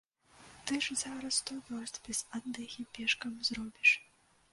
Ты ж зараз сто вёрст без аддыхі пешкам зробіш.